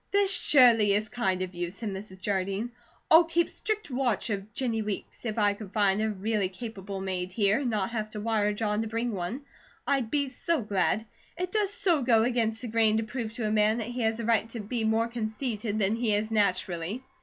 "This surely is kind of you," said Mrs. Jardine. "I'll keep strict watch of Jennie Weeks. If I could find a really capable maid here and not have to wire John to bring one, I'd be so glad. It does so go against the grain to prove to a man that he has a right to be more conceited than he is naturally."